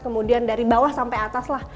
kemudian dari bawah sampai atas lah